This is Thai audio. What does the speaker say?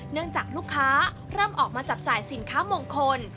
เนื่องจากลูกค้าเริ่มออกมาจับจ่ายสินค้ามงคล